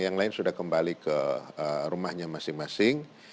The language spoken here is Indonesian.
yang lain sudah kembali ke rumahnya masing masing